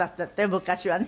昔はね」